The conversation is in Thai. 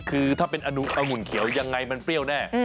คือถ้าเป็นองุ่นเขียวยังไงมันเปรี้ยวแน่